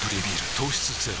糖質ゼロ